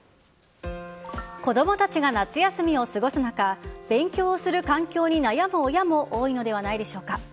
子供たちが夏休みを過ごす中勉強をする環境に悩む親も多いのではないでしょうか。